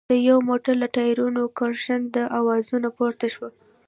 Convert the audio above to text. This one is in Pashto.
د يوه موټر له ټايرونو کرښنده اواز پورته شو.